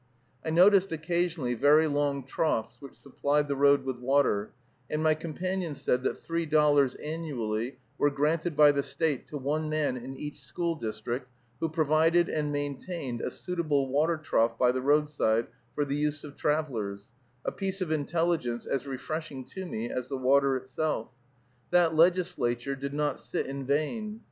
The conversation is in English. I noticed occasionally very long troughs which supplied the road with water, and my companion said that three dollars annually were granted by the State to one man in each school district, who provided and maintained a suitable water trough by the roadside, for the use of travelers, a piece of intelligence as refreshing to me as the water itself. That legislature did not sit in vain.